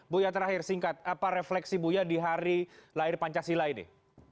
buya terakhir singkat apa refleksi buya di hari lahir pancasila ini